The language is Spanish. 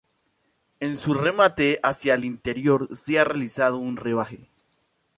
En su remate hacia el interior se ha realizado un rebaje.